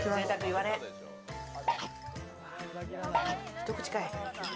一口かい。